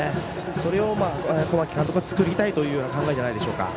それを小牧監督は作りたいという考えじゃないでしょうか。